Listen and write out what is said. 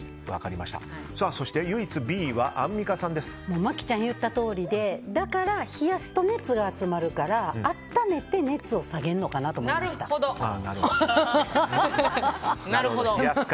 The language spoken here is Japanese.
そして唯一Ｂは麻貴ちゃんが言ったとおりでだから冷やすと熱が集まるから温めて熱を下げるのかなとなるほど。